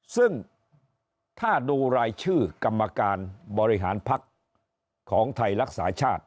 ซึ่งถ้าดูรายชื่อกรรมการบริหารพักของไทยรักษาชาติ